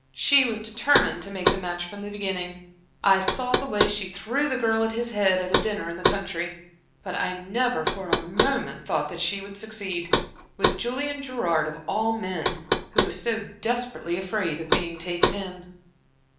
"She was determined to make the match from the beginning. I saw the way she threw the girl at his head at a dinner in the country, but I never for a moment thought she would succeed with Julian Gerard of all men, who is so desperately afraid of being taken in."